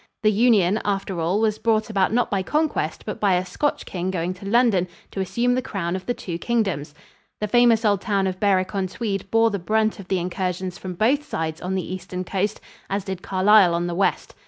The union, after all, was brought about not by conquest but by a Scotch king going to London to assume the crown of the two kingdoms. The famous old town of Berwick on Tweed bore the brunt of the incursions from both sides on the eastern coast, as did Carlisle on the west.